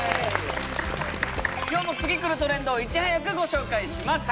今日も次くるトレンドをいち早くご紹介します